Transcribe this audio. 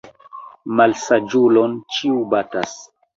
Malsaĝulon ĉiu batas.